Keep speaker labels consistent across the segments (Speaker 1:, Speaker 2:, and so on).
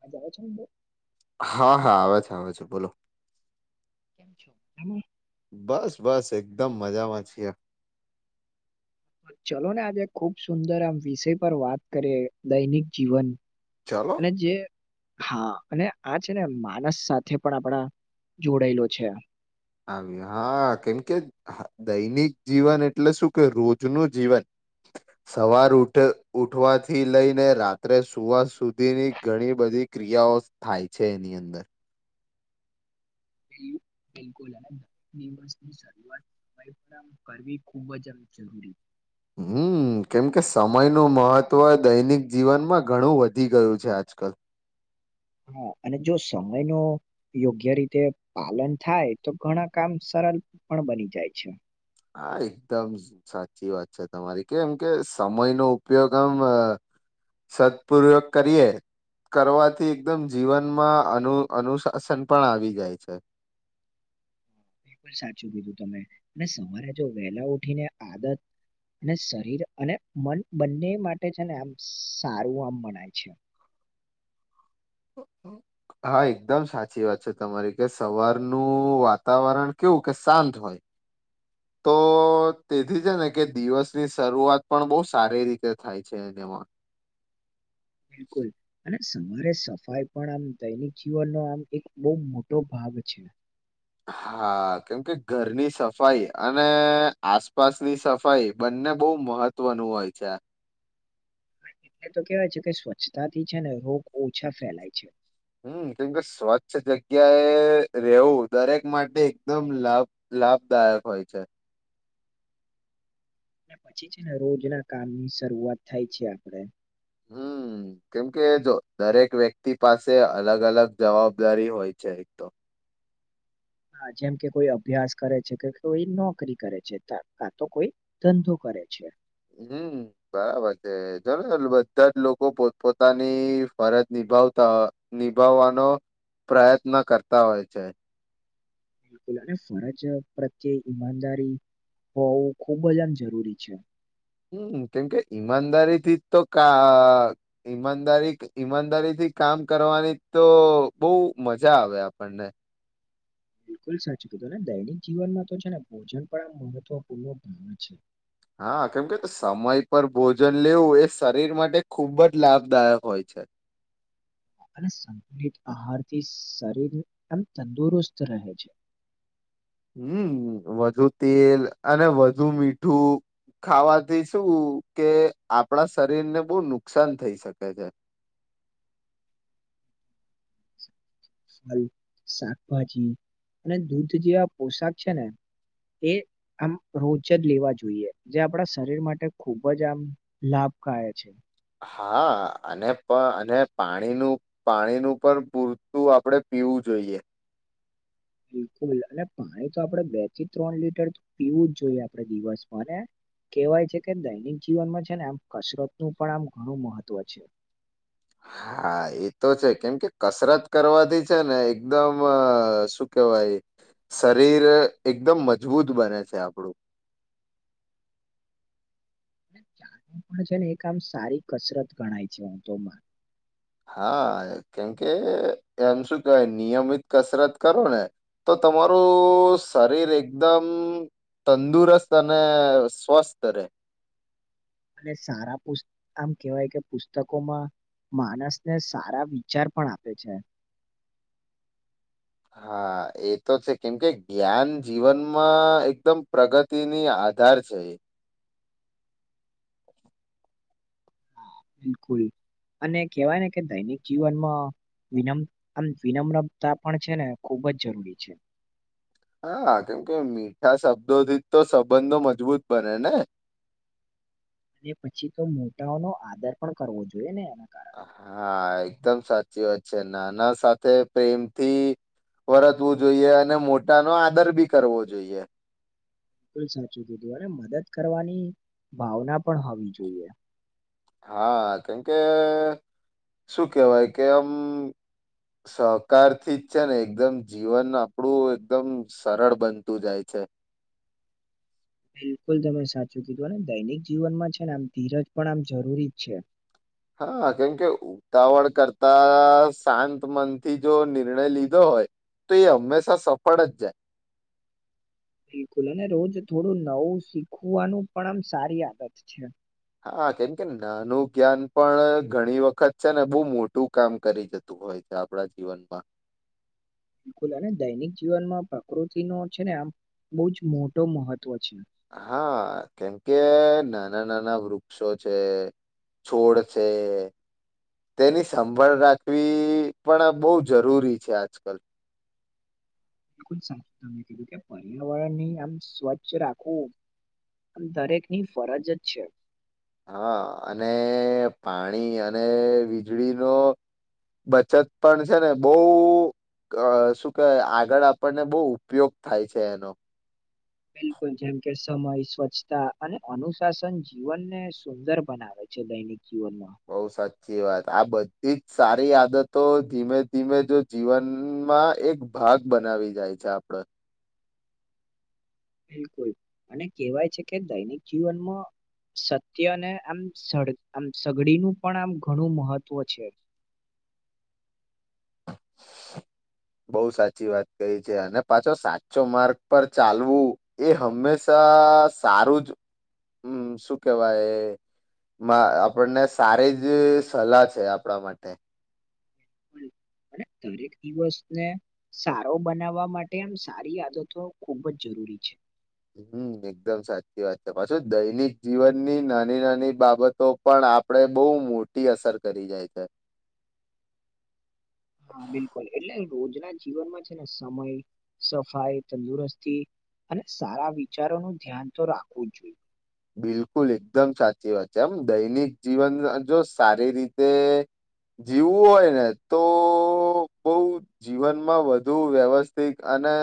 Speaker 1: હ જાવ છો અંદર.
Speaker 2: હા હા આવે છે આવે છે બોલો.
Speaker 1: કેમ છો?
Speaker 2: બસ બસ એકદમ મજામાં છીએ.
Speaker 1: ચલો ને આજે ખુબ સુંદર આમ વિષય પર વાત કરીએ દૈનિક જીવન.
Speaker 2: ચલો
Speaker 1: અને જે હા અને આ છે ને માનસ સાથે પણ આપડા જોડાયેલો છે.
Speaker 2: આવ હા કેમકે દૈનિક જીવન એટલે શું કે રોજનું જીવન. સવાર ઉ ઉઠવાથી લઈને રાત્રે સુવા સુધીની ઘણી બધી બધી ક્રિયાઓ થાય છે એની અંદર.
Speaker 1: ની શરૂઆત. [unintelligible] પરિશ્રમ કરવી ખૂબ જ જરૂરી છે.
Speaker 2: હમ. હમ કેમકે સમયનું મહત્વ દૈનિક જીવનમાં ઘણું વધી ગયું છે આજકાલ.
Speaker 1: હા અને જો સમય ન યોગ્ય રીતે પાલન થાય તો ઘણા કામ પણ બની જાય છે.
Speaker 2: હા એકદમ સાચી વાત છે તમારી કેમ કે સમય નો ઉપયોગ આમ સદપૂર્વક કરીએ. કરવાથી એકદમ જીવનમાં અન અનુશાસન પણ આવી જાય છે.
Speaker 1: બિલકુલ સાચું કીધું તમે, અને સવારે જો વહેલા ઉઠીને આદત અને શરીર અને મન બંને માટે છે ને આમ સારું આમ મણય છે. [inaudible]
Speaker 2: હા એકદમ સાચી વાત છે તમારી કે સવારનું વાતાવરણ કેવું કે શાંત હોય. હોય. તો તેથી છે ને કે દિવસની શરૂઆત પણ બહુ સારી રીતે થાય છે. તેમાં.
Speaker 1: બિલકુલ હ. સરે સફાઈ પણ આમ દૈનિક જીવનનો આમ એક બહ મોટો ભાગ છે.
Speaker 2: હા કેમ કે ઘરની સફાઈ અને આસપાસની સફાઈ બંને બહુ મહત્વનું હોય છે.
Speaker 1: એટલે તો કેવાય છે કે સ્વચ્છતાથી છે ને રોગ ઓછા ફેલાય છે.
Speaker 2: હમ કેમ કે સ્વચ્છ જગ્યાએ રહેેવું દરેક માટે એકદમ લાભ લાભદાયક હોય છે.
Speaker 1: અને પછી છે ને રોજના કામની શરૂઆત થાય છે આપણેે.
Speaker 2: કેમકે જો દરેક વ્યક્તિ પાસે અલગ અલગ જવાબદારી હોય છે એક તો.
Speaker 1: હા જેમ કે કોઈ અભ્યાસ કરે છે કે કોઈ નોકરી કરે છે કા તો કોઈ ધંધો કરે. કરે છે.
Speaker 2: હમ બરાબર છે ચલો ચાલ બધા જ લોકો પોત પોતાની ફરજ ની નિભાવતા નિભાવવાનો પ્રયત્ન કરતા હોય છે.
Speaker 1: બિલકુલ અને ફરજ પ્રત્યેય ઈમાનદારી હો ખૂબ જ આમ જરૂરી છે.
Speaker 2: હમ કેમકે ઈમાનદારી થી તો ક ઈમાનદારી ઈમાનદારીથી કામ કરવાની તો બહ મજા આવે આપણને.
Speaker 1: બિલકુલ સાચું કીધું ને દૈનિક જીવનમાં તો છે ને ભોજન પણ આ મહત્વપૂર્ણ ન ભાવ છે.
Speaker 2: હા કેમ કે સમય પર ભોજન લેવું એ શરીર માટે ખૂબ જ લાભદાયક હોય છે.
Speaker 1: [inaudible] અને સંતુલિત આહારથી શરીર એમ તંદુરસ્ત રહે છે. [inaudible]
Speaker 2: હમ વધુ તેલ અને વધુ મીઠું ખાવાથી શું કે આપણા શરીર ને બહુ નુકસાન થઈ શકે છે.
Speaker 1: [inaudible] ફલ શાકભાજી અને દૂધ જેવા પોશાક છે ને એ આમ રોજ જ લેવા જોઈએ જે આપણા શરીર માટે ખુબ જ આમ લાભક છે.
Speaker 2: હા અને પણ અને પાણીનું પાણીનું પણ પૂરતું આપડે પીવું જોઈએ.
Speaker 1: બિલકુલ અને પાણી તો આપણેે બે થી ત્રણ લીટર પીવું જ જોઈએ આપણે દિવસમાં ને કહેવાય છે કે દૈનિક જીવનમાં છે ને આમ કસરતનું પણ આમ ઘણું મહત્ત્વ છે. [inaudible]
Speaker 2: હા એ તો છે કેમ કે કસરત કરવાથી છે ને એકદમ શું કેહેવાય શરીર એકદમ મજબૂત બને છે આપણું.
Speaker 1: [inaudible] ચાલ પણ છે ને એક આામ સારી કસરત ગણાય છે વા તોમાં
Speaker 2: હા કેમકે એમ શું કહેવાય નિયમિત કસરત કરો ને તો તમારું શરીર એકદમ તંદુરસ્ત અને સ્વસ્થ રે.
Speaker 1: અને સારા પુત આમ કેવાય કે પુસ્તકોમાં માણસને સારા વિચાર પણ આપે છે.
Speaker 2: હા એ તો છે કેમ કે જ્ઞાન જીવનમાં એકદમ પ્રગતિની આ આધાર છે એ
Speaker 1: હા બિલકુલ અને કેવાય ને કે દૈનિક જીવનમાં વિનમ વિનમ્રતા પણ છે ને ખૂબ જ જરૂરી છે.
Speaker 2: હા કેમ કે મીઠા શબ્દોથી જ તો સંબંધો મજબૂત બને ને
Speaker 1: અને પછી તો મોટાઓનો આદર પણ કરવો જોઈએ ને. એના કારણે
Speaker 2: હા એકદમ સાચી વાત છે નાના સાથે પ્રેમથી વર્તવું જોઈએ અને મોટા નો આદર બી કરવો જોઈએ.
Speaker 1: બકુલ સાચું કીધું અને મદદ કરવાની ભાવના પણ હોવી જોઈએ.
Speaker 2: હા કેમ કે શું કેહેવાય કે આમ સહકાર થી જ છે ને એકદમ જીવન આપડું એકદમ સરળ બનતું જાય છે. છે.
Speaker 1: [inaudible] બિલકુલ તમે સાચું કીધું ને દૈનિક જીવનમાં છે ને આમ ધીરજ પણ આમ જરૂરી જ છે.
Speaker 2: હા કેમકે ઉતાવળ કરતા શાંત મનથી જો નિર્ણય લીધો હોય. તો એ હંમેશા સફળ જ જાય.
Speaker 1: [inaudible] બિલકુલ અને રોજ થોડું નવું શીખવાનું પણ આમ સારી આદત છે.
Speaker 2: હા કેમ કે નાનું જ્ઞાન પણ ઘણી વખત છે ને બહુ મોટું કામ કરી જતું હોય આપણા જીવનમાં.
Speaker 1: [inaudible] બિલકુલ અને દૈનિક જીવનમાં પ્રકૃતિ ન છે ને આમ બહુ જ મોટો મહત્વ છે.
Speaker 2: હા કેમ કે નાના નાના વૃક્ષો છે. છોડ છે. તેની સંભાળ રાખવી પણ બહુ જરૂરી છે આજકાલ.
Speaker 1: બિલકુલ સાચું તમે કીધું કે પર્યાવરણની આમ સ્વચ્છ રાખવું આમ દરેકની ફરજ જ છે.
Speaker 2: હા અને પાણી અને વીજળીનો બચત પણ છે, ને બહુ અ શું કેહેવાય, આગળ આપણને બહુ ઉપયોગ થાય છે, એનો
Speaker 1: બિલકુલ, જેમ કે સમય સ્વચ્છતા, અને અનુશાસન જીવનને સુંદર બનાવે છે, દૈનિક શિવના
Speaker 2: સી વાત, આ બધી જ સારી આદતો ધીમે, ધીમે જો જીવનમાં એક ભાગ બનાવી જાય છે, આપડે
Speaker 1: બિલકુલ અને કેહેવાય છે, કે દૈનિક જીવનમા સત્ય અને આમ સ આમ, સગડીનું પણ આમ ઘણું મહત્વ છે. [inaudible]
Speaker 2: બઉુ સાચી વાત કહી છે, અને પાછો સાચો માર્ગ પર ચાલવું, એ હંમેશા સારું જ હમ શું કેવાય મા આપણને સારી જ સલાહ છે, આપણા માટે
Speaker 1: હ દરેક દિવસને, સારો બનાવવા માટે આમ સારી આદતો ખુબજ જરૂરી છે.
Speaker 2: હમ એકદમ સાચી વાત છે, પાછું દૈનિક જીવનની નાની, નાની બાબતો પણ આપડે બહુ મોટી અસર કરી જાય છે.
Speaker 1: [inaudible] હા, બિલકુલ એટલે જેના જીવનમાં છેને, સમય સફાઈ તંદુરસ્તી અને સારા વિચારોનું, ધ્યાન તો રાખવુંજ જોઈએ
Speaker 2: બિલકુલ એકદમ સાચી વાત છે, આમ દૈનિક જીવન જો સારી રીતે જીવવું હોય, ને તો બઉ જીવનમા વધુ વ્યવસ્થિત ને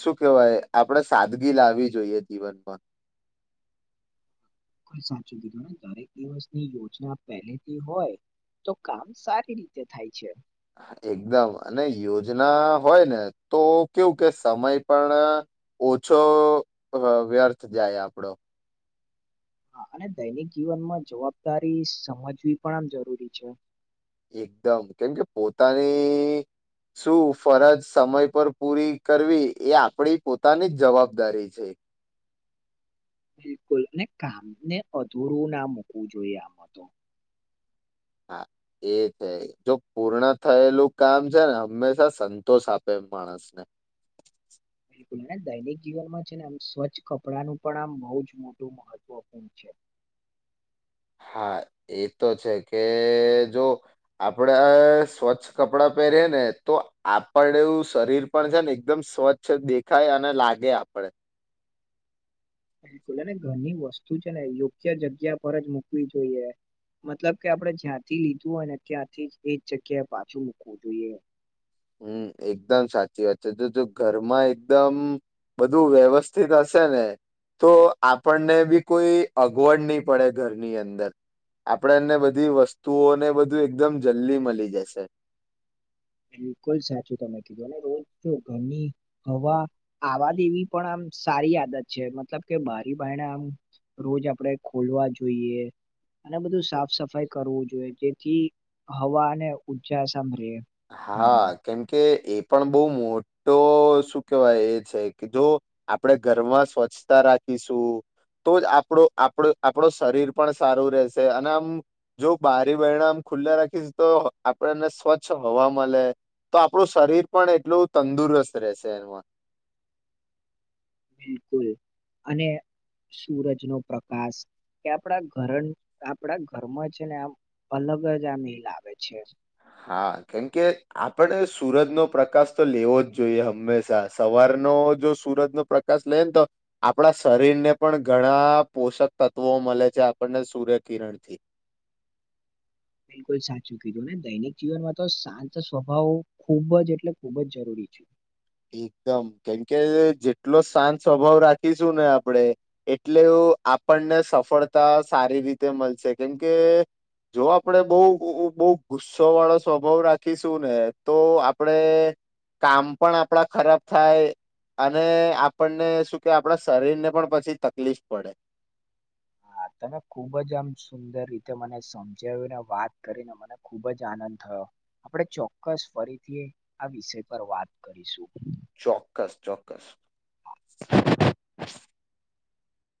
Speaker 2: શું કેહેવાય, આપડે સાદગી લાવવી જોઈએ, જીવનમાં
Speaker 1: કોઈ સાચું કીધું, ને દરેક દિવસની યોજના પહેલેથી હોય. તો કામ સારી રીતે થાય છે.
Speaker 2: એકદમ અને યોજના હોય, ને તો કેવું, કે સમય પણ ઓછો વ્યર્થ જાય, આપડો
Speaker 1: હા, અને દૈનિક જીવનમા જવાબદારી સમજવી પણ આમ જરૂરી છે.
Speaker 2: એકદમ, કેમ કે પોતાની શું ફરજ સમય પર પૂરી કરવી એ આપણી પોતાની જ જવાબદારી છે.
Speaker 1: [inaudible] બિલકુલ અને કામને અધૂરું ના મૂકવું જોઈએ, આમ તો
Speaker 2: હા એ છે, જો પૂર્ણ થયેલું કામ છેને, હંમેશા સંતોષ આપે માણસ ને
Speaker 1: [inaudible] દૈનિક જીવનમાં છેને, આમ સ્વચ્છ કપડાંનું પણ આમ બહુ જ મોટું મહત્વપૂર્ણ છે. [inaudible]
Speaker 2: હા, એ તો છે, કે જો આપડે સ્વચ્છ કપડાં પહેરીએ, ને તો આપડવું શરીર પણ છે, ને એકદમ સ્વચ્છ દેખાય, અને લાગે આપડે
Speaker 1: બિલકુલને ઘરની વસ્તુ છેને, યોગ્ય જગ્યા પર જ મુૂકવી જોઈએ મતલબ કે આપણે જ્યાંથી લીધું હોય, ને ત્યાંથી એ જ જગ્યાએ પાછું, મૂકવું જોઈએ
Speaker 2: હમ, એકદમ સાચી વાત છે, તો જો ઘરમાં એકદમ બધું વ્યવસ્થિત હશે, ને તો આપણને બી કોઈ અગવડ નહી, પડે ઘરની અંદર આપણે એને બધી વસ્તુઓને, બધું એકદમ જલ્દી મળી જશે
Speaker 1: બિલકુલ સાચું, તમે કીધું અને રોજ ગરમી હવા, આવા દ એવી પણ આમ સારી આદત છે, મતલબ કે બારી ભાઈ આમ રોજ આપણેે ખોલવા જોઈએ અને બધું સાફ સફાઈ કરવું જોઈએ, જેથી હવા અને ઉર્જા સાંભળે ઘરમાં
Speaker 2: હા કેમ કે એ પણ બો મોટો શું કેવાય એ છે કે જો આપડે ઘરમાં સ્વચ્છતા રાખીશું તો જ આપડો આપ આપણો શરીર પણ સારું રહેશે અને આમ જો બારી વણમ ખુલ્લા રાખીશ તો આપણને સ્વચ્છ સ્વચ્છ હવા મલે તો આપણું શરીર પણ એટલું તંદુરસ્ત રહેશે એમાં
Speaker 1: બિલકુલ અને સુૂરજ નો પ્રકાશ કે આપણા ઘરન આપડા ઘરમાં છે ને આમ અલગ જ આ મેિલ આવે છે.
Speaker 2: હા કેમકે આપણે સુરજ નો પ્રકાશ તો લેવો જ જોઈએ હંમેશા સવાર જો સુરજનો પ્રકાશ લે ને તો આપણા શરીર ને પણ ઘણા પોષક તત્વો મળે છે આપણને સૂર્ય કિરણ થી
Speaker 1: [inaudible] બિલકુલ સાચું કીધું ને દૈનિક જીવનમાં તો શાંત સ્વભાવ ખૂબ જ એટલે ખુબ જ જરૂરી છે.
Speaker 2: એકદમ કેમકે જેટલો શાંત સ્વભાવ રાખીશું ને આપડે એટલો આપણને સફળતા સારી રીતે મળશે કેમકે જો આપણેે બો બહુ ગુસ્સો વાળો સ્વભાવ રાખીશું ને તો આપણેે કામ પણ આપડા ખરાબ થાય અને આપણને શું કે આપણા શરીર ને પણ પછી તકલીફ પડે.
Speaker 1: [inaudible] હા તમે ખુબ જ આમ સુંદર રીતે મને સમજાવીને વાત કરીને મને ખુબ જ આનંદ થયો. આપણે ચોક્કસ ફરીથી આ વિષય પર વાત કરીશું.
Speaker 2: ચોક્કસ ચોક્કસ.